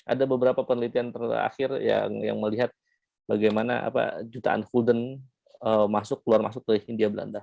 ada beberapa penelitian terakhir yang melihat bagaimana jutaan hulden masuk keluar masuk ke hindia belanda